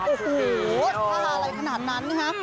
โอ้โหอะไรขนาดนั้นไงค่ะ